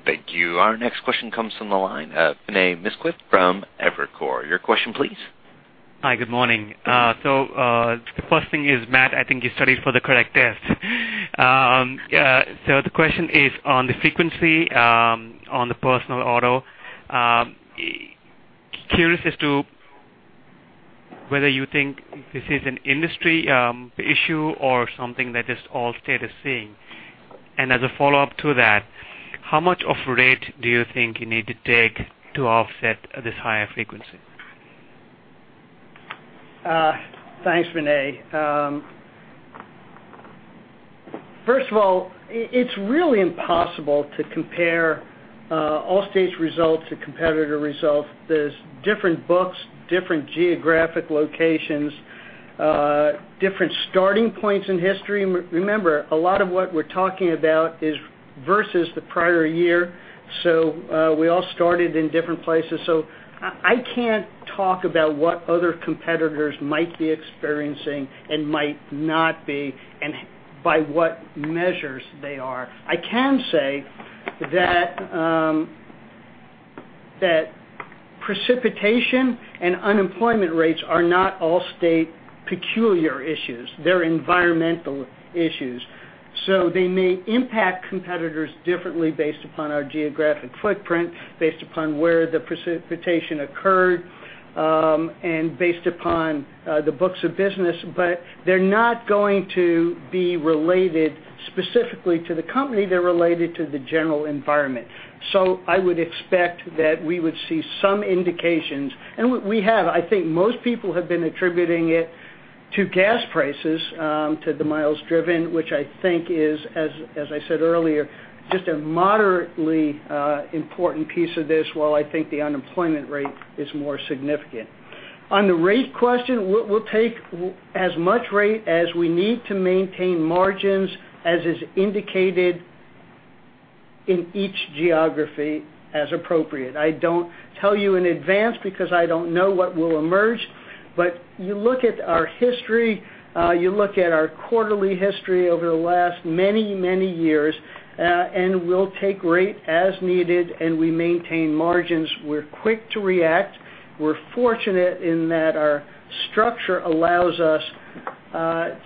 Thank you. Our next question comes from the line, Vinay Misquith from Evercore. Your question, please. Hi, good morning. The first thing is, Matt, I think you studied for the correct test. The question is on the frequency on the personal auto. Curious as to whether you think this is an industry issue or something that just Allstate is seeing. As a follow-up to that, how much of rate do you think you need to take to offset this higher frequency? Thanks, Vinay. First of all, it's really impossible to compare Allstate's results to competitor results. There's different books, different geographic locations, different starting points in history. Remember, a lot of what we're talking about is versus the prior year, we all started in different places. I can't talk about what other competitors might be experiencing and might not be, and by what measures they are. I can say that precipitation and unemployment rates are not Allstate peculiar issues. They're environmental issues. They may impact competitors differently based upon our geographic footprint, based upon where the precipitation occurred, and based upon the books of business. They're not going to be related specifically to the company. They're related to the general environment. I would expect that we would see some indications, and we have. I think most people have been attributing it to gas prices, to the miles driven, which I think is, as I said earlier, just a moderately important piece of this while I think the unemployment rate is more significant. On the rate question, we'll take as much rate as we need to maintain margins as is indicated in each geography as appropriate. I don't tell you in advance because I don't know what will emerge. You look at our history, you look at our quarterly history over the last many, many years, we'll take rate as needed, and we maintain margins. We're quick to react. We're fortunate in that our structure allows us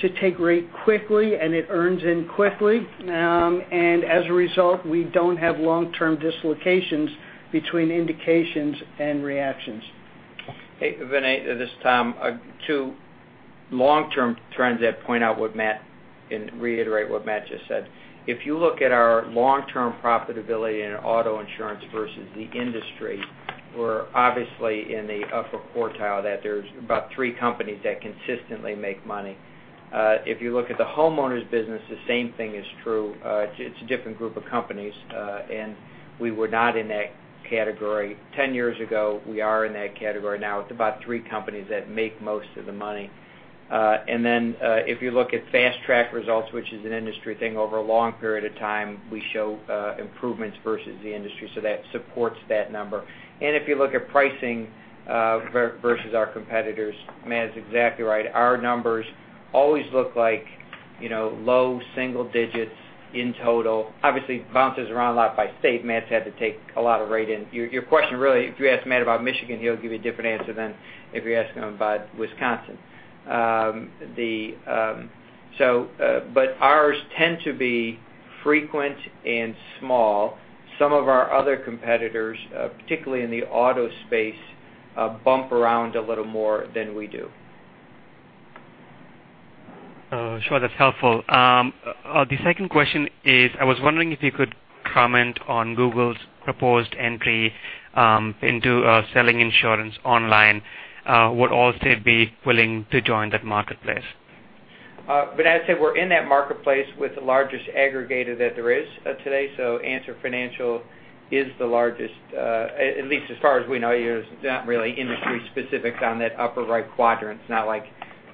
to take rate quickly, and it earns in quickly. As a result, we don't have long-term dislocations between indications and reactions. Hey, Vinay, this is Tom. Two long-term trends that point out what Matt, and reiterate what Matt just said. If you look at our long-term profitability in our auto insurance versus the industry, we're obviously in the upper quartile, that there's about three companies that consistently make money. If you look at the homeowners business, the same thing is true. It's a different group of companies. We were not in that category 10 years ago. We are in that category now. It's about three companies that make most of the money. If you look at fast track results, which is an industry thing over a long period of time, we show improvements versus the industry. That supports that number. If you look at pricing versus our competitors, Matt is exactly right. Our numbers always look like low single digits in total. Obviously, it bounces around a lot by state. Matt's had to take a lot of rate in. Your question, really, if you ask Matt about Michigan, he'll give you a different answer than if you're asking him about Wisconsin. Ours tend to be frequent and small. Some of our other competitors, particularly in the auto space bump around a little more than we do. Sure. That's helpful. The second question is, I was wondering if you could comment on Google's proposed entry into selling insurance online. Would Allstate be willing to join that marketplace? As I said, we're in that marketplace with the largest aggregator that there is today. Answer Financial is the largest, at least as far as we know, there's not really industry specifics on that upper right quadrant. It's not like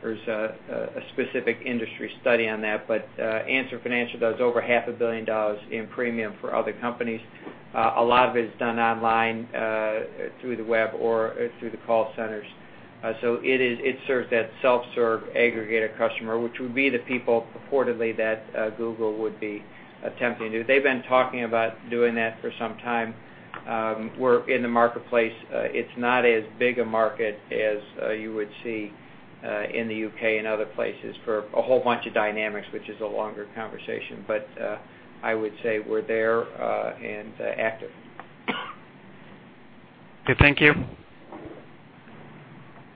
there's a specific industry study on that, but Answer Financial does over half a billion dollars in premium for other companies. A lot of it is done online, through the web or through the call centers. It serves that self-serve aggregator customer, which would be the people purportedly that Google would be attempting to do. They've been talking about doing that for some time. We're in the marketplace. It's not as big a market as you would see in the U.K. and other places for a whole bunch of dynamics, which is a longer conversation. I would say we're there and active. Okay. Thank you.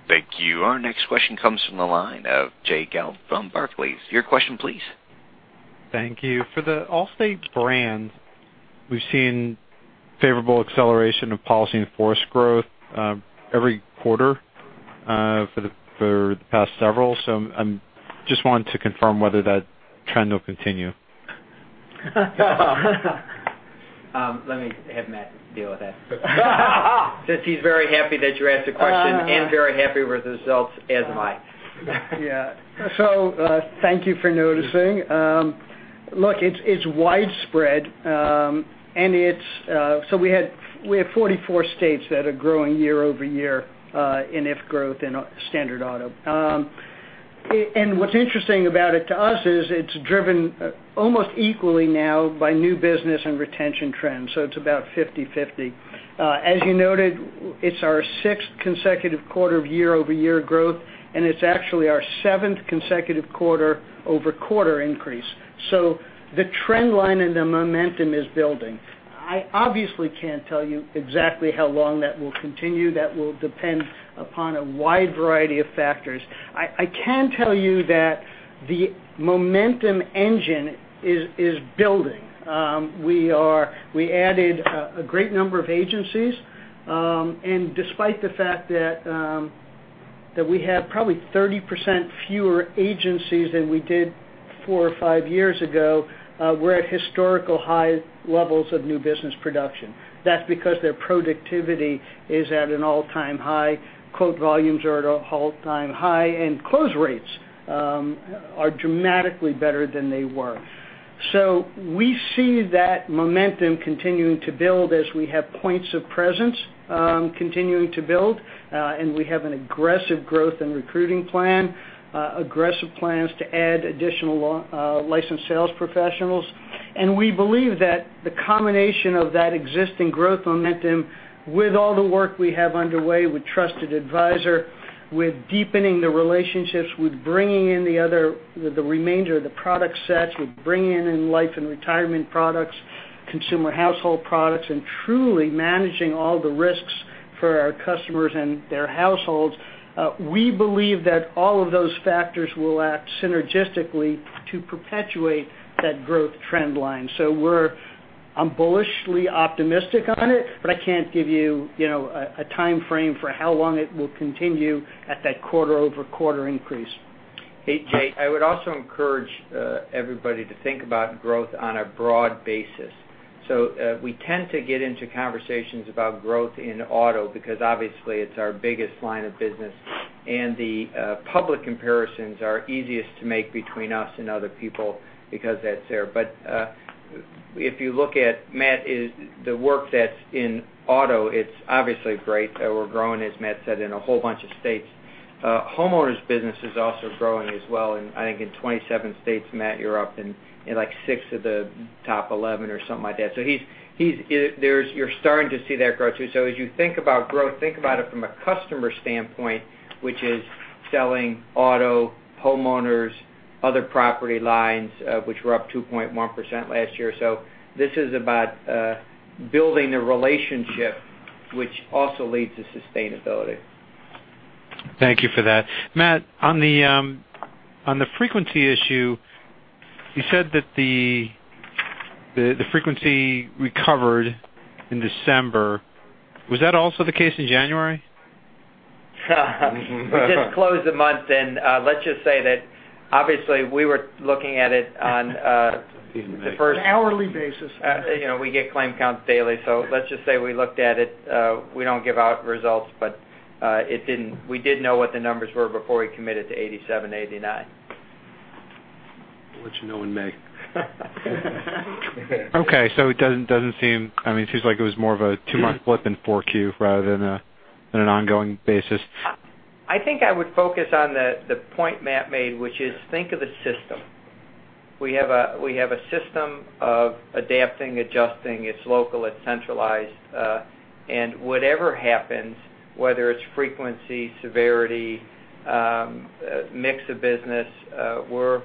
Thank you. Our next question comes from the line of Jay Gelb from Barclays. Your question please. Thank you. For the Allstate brand, we've seen favorable acceleration of policy in force growth every quarter for the past several. I just wanted to confirm whether that trend will continue. Let me have Matt deal with that. Since he's very happy that you asked the question and very happy with the results, as am I. Thank you for noticing. Look, it's widespread. We have 44 states that are growing year-over-year in IF growth in standard auto. What's interesting about it to us is it's driven almost equally now by new business and retention trends. It's about 50/50. As you noted, it's our sixth consecutive quarter of year-over-year growth, and it's actually our seventh consecutive quarter-over-quarter increase. The trend line and the momentum is building. I obviously can't tell you exactly how long that will continue. That will depend upon a wide variety of factors. I can tell you that the momentum engine is building. We added a great number of agencies, and despite the fact that we have probably 30% fewer agencies than we did four or five years ago, we're at historical high levels of new business production. That's because their productivity is at an all-time high, quote volumes are at an all-time high, and close rates are dramatically better than they were. We see that momentum continuing to build as we have points of presence continuing to build, and we have an aggressive growth and recruiting plan, aggressive plans to add additional licensed sales professionals. We believe that the combination of that existing growth momentum with all the work we have underway with Trusted Advisor, with deepening the relationships, with bringing in the remainder of the product sets, with bringing in life and retirement products, consumer household products, and truly managing all the risks for our customers and their households. We believe that all of those factors will act synergistically to perpetuate that growth trend line. I'm bullishly optimistic on it, but I can't give you a timeframe for how long it will continue at that quarter-over-quarter increase. Hey, Jay. I would also encourage everybody to think about growth on a broad basis. We tend to get into conversations about growth in auto because obviously it's our biggest line of business and the public comparisons are easiest to make between us and other people because that's there. If you look at Matt, the work that's in auto, it's obviously great that we're growing, as Matt said, in a whole bunch of states. Homeowners business is also growing as well, and I think in 27 states, Matt, you're up in six of the top 11 or something like that. You're starting to see that growth too. As you think about growth, think about it from a customer standpoint, which is selling auto, homeowners, other property lines, which were up 2.1% last year. This is about building a relationship which also leads to sustainability. Thank you for that. Matt, on the frequency issue, you said that the frequency recovered in December. Was that also the case in January? We just closed the month, let's just say that obviously we were looking at it on the. An hourly basis. We get claim counts daily, let's just say we looked at it. We don't give out results, we did know what the numbers were before we committed to 87.89. We'll let you know in May. Okay. It seems like it was more of a two-month blip in 4Q rather than an ongoing basis. I think I would focus on the point Matt made, which is think of the system. We have a system of adapting, adjusting. It's local, it's centralized. Whatever happens, whether it's frequency, severity, mix of business, we're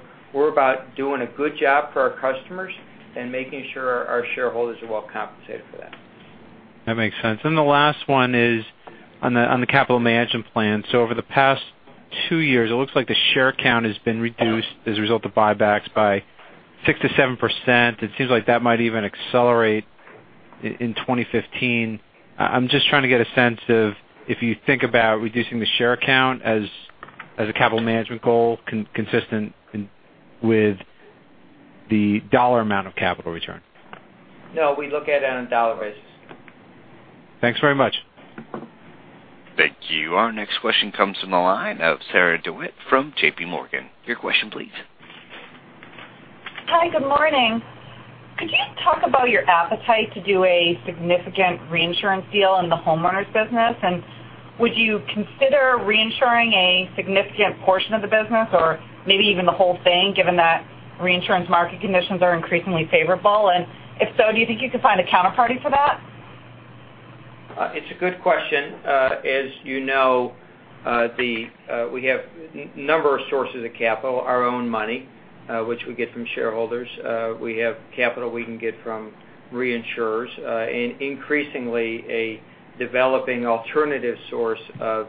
about doing a good job for our customers and making sure our shareholders are well compensated for that. That makes sense. The last one is on the capital management plan. Over the past two years, it looks like the share count has been reduced as a result of buybacks by 6%-7%. It seems like that might even accelerate in 2015. I'm just trying to get a sense of, if you think about reducing the share count as a capital management goal, consistent with the dollar amount of capital return. No, we look at it on a dollar basis. Thanks very much. Thank you. Our next question comes from the line of Sarah DeWitt from J.P. Morgan. Your question please. Hi, good morning. Could you talk about your appetite to do a significant reinsurance deal in the homeowners business? Would you consider reinsuring a significant portion of the business or maybe even the whole thing, given that reinsurance market conditions are increasingly favorable? If so, do you think you could find a counterparty for that? It's a good question. As you know, we have number of sources of capital, our own money, which we get from shareholders. We have capital we can get from reinsurers, and increasingly a developing alternative source of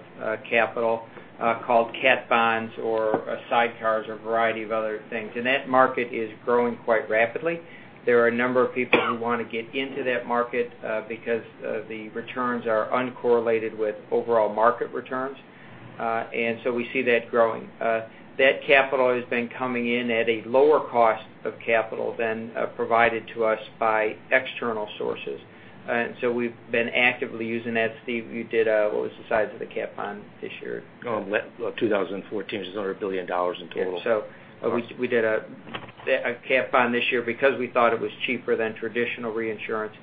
capital called cat bonds or sidecars or a variety of other things. That market is growing quite rapidly. There are a number of people who want to get into that market because the returns are uncorrelated with overall market returns. We see that growing. That capital has been coming in at a lower cost of capital than provided to us by external sources. We've been actively using that. Steve, what was the size of the cat bond this year? 2014, it was another $1 billion in total. We did a cat bond this year because we thought it was cheaper than traditional reinsurance.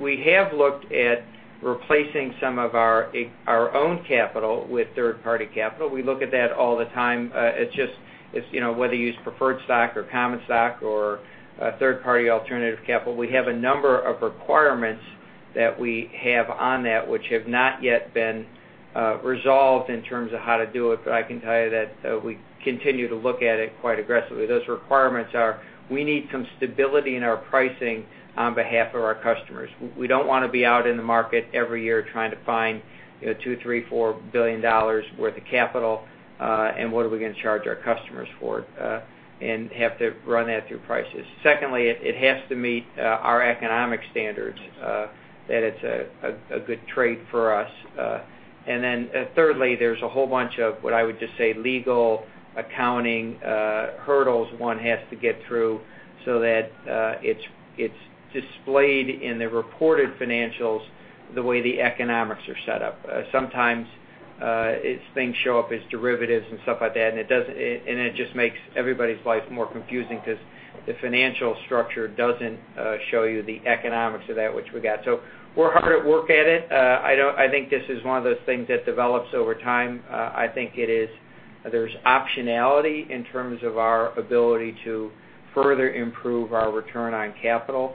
We have looked at replacing some of our own capital with third-party capital. We look at that all the time. It's just whether you use preferred stock or common stock or third-party alternative capital. We have a number of requirements that we have on that which have not yet been resolved in terms of how to do it. I can tell you that we continue to look at it quite aggressively. Those requirements are, we need some stability in our pricing on behalf of our customers. We don't want to be out in the market every year trying to find $2 billion, $3 billion, $4 billion worth of capital, and what are we going to charge our customers for it, and have to run that through prices. Secondly, it has to meet our economic standards, that it's a good trade for us. Thirdly, there's a whole bunch of what I would just say, legal accounting hurdles one has to get through so that it's displayed in the reported financials the way the economics are set up. Sometimes things show up as derivatives and stuff like that, and it just makes everybody's life more confusing because the financial structure doesn't show you the economics of that which we got. We're hard at work at it. I think this is one of those things that develops over time. I think there's optionality in terms of our ability to further improve our return on capital.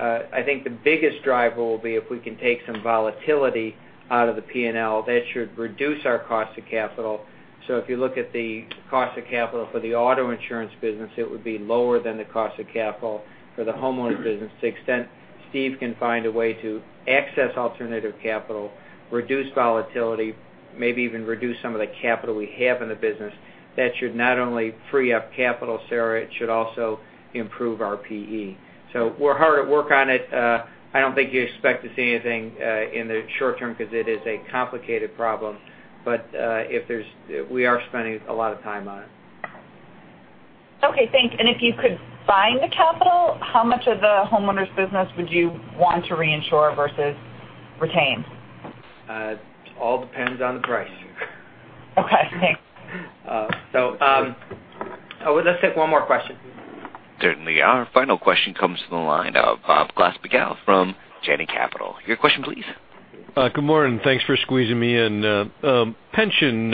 I think the biggest driver will be if we can take some volatility out of the P&L, that should reduce our cost of capital. If you look at the cost of capital for the auto insurance business, it would be lower than the cost of capital for the homeowners business. To the extent Steve can find a way to access alternative capital, reduce volatility, maybe even reduce some of the capital we have in the business, that should not only free up capital, Sarah, it should also improve our PE. We're hard at work on it. I don't think you expect to see anything in the short term because it is a complicated problem. We are spending a lot of time on it. Okay, thanks. If you could find the capital, how much of the homeowners business would you want to reinsure versus retain? It all depends on the price. Okay, thanks. let's take one more question. Certainly. Our final question comes from the line of Josh Miguel from Janney Montgomery Scott. Your question, please. Good morning. Thanks for squeezing me in. Pension,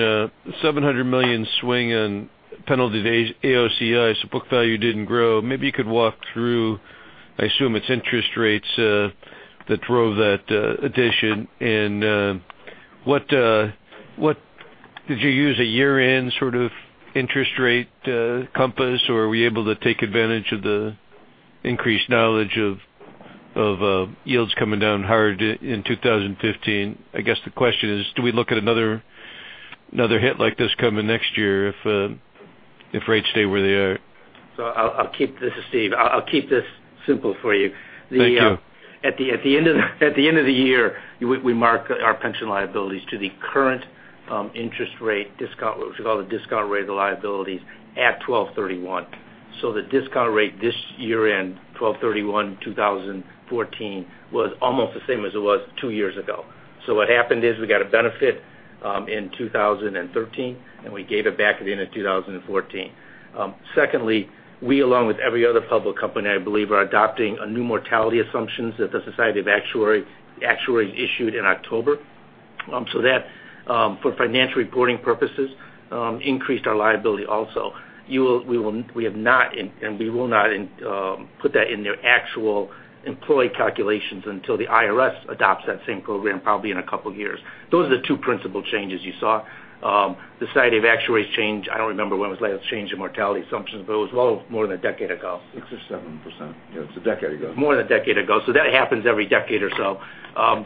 $700 million swing in pension to AOCI, book value didn't grow. Maybe you could walk through, I assume it's interest rates that drove that addition. Did you use a year-end sort of interest rate compass, or were you able to take advantage of the increased knowledge of yields coming down hard in 2015? I guess the question is, do we look at another hit like this coming next year if rates stay where they are? I'll keep this, Steve. I'll keep this simple for you. Thank you. At the end of the year, we mark our pension liabilities to the current interest rate discount, which we call the discount rate of the liabilities at 12/31. The discount rate this year end 12/31/2014 was almost the same as it was two years ago. What happened is we got a benefit in 2013, and we gave it back at the end of 2014. Secondly, we along with every other public company, I believe, are adopting a new mortality assumptions that the Society of Actuaries issued in October. That, for financial reporting purposes, increased our liability also. We have not, and we will not put that in their actual employee calculations until the IRS adopts that same program probably in a couple of years. Those are the two principal changes you saw. The Society of Actuaries change, I don't remember when was the last change in mortality assumptions, but it was well more than a decade ago. 6% or 7%. It's a decade ago. More than a decade ago. That happens every decade or so.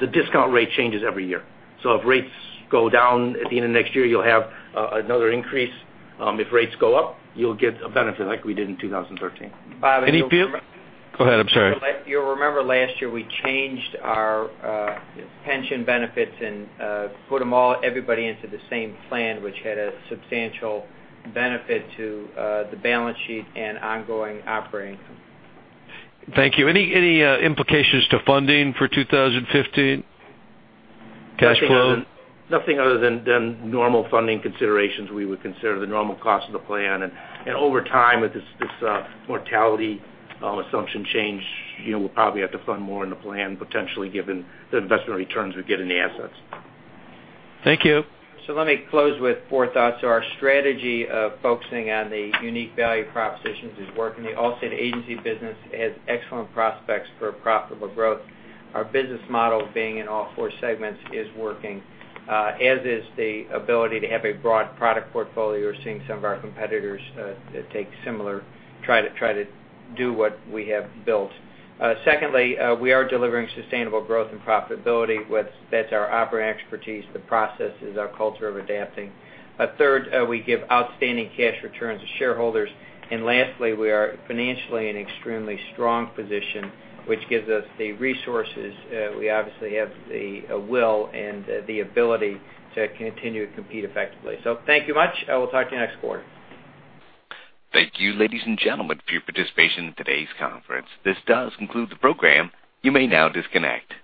The discount rate changes every year. If rates go down at the end of next year, you'll have another increase. If rates go up, you'll get a benefit like we did in 2013. Any follow up? Go ahead. I'm sorry. You'll remember last year we changed our pension benefits and put everybody into the same plan, which had a substantial benefit to the balance sheet and ongoing operating. Thank you. Any implications to funding for 2015 cash flow? Nothing other than normal funding considerations, we would consider the normal cost of the plan. Over time, with this mortality assumption change, we'll probably have to fund more in the plan, potentially, given the investment returns we get in the assets. Thank you. Let me close with four thoughts. Our strategy of focusing on the unique value propositions is working. The Allstate agency business has excellent prospects for profitable growth. Our business model, being in all four segments, is working, as is the ability to have a broad product portfolio. We're seeing some of our competitors that take similar, try to do what we have built. Secondly, we are delivering sustainable growth and profitability. That's our operating expertise, the processes, our culture of adapting. Third, we give outstanding cash returns to shareholders. Lastly, we are financially in extremely strong position, which gives us the resources. We obviously have the will and the ability to continue to compete effectively. Thank you much. I will talk to you next quarter. Thank you, ladies and gentlemen, for your participation in today's conference. This does conclude the program. You may now disconnect.